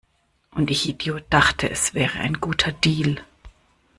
Und ich Idiot dachte, es wäre ein guter Deal!